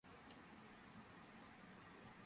ადამიანისთვის საფრთხეს არ წარმოადგენს.